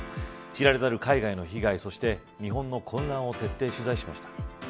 知られざる海外の被害そして日本の混乱を徹底取材しました。